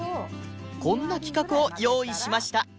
こんな企画を用意しました